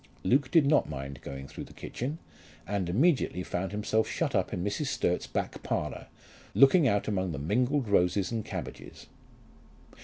Luke did not mind going through the kitchen, and immediately found himself shut up in Mrs. Sturt's back parlour, looking out among the mingled roses and cabbages.